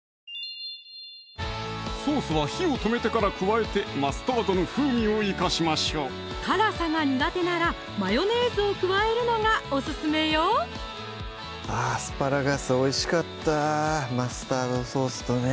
ソースは火を止めてから加えてマスタードの風味を生かしましょう辛さが苦手ならマヨネーズを加えるのがオススメよアスパラガスおいしかったマスタードソースとね